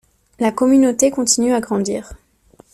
La communauté continue à grandir.